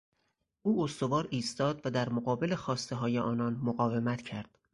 او استوار ایستاد و در مقابل خواستههای آنان مقاومت کرد.